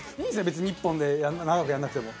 別に１本で長くやらなくても。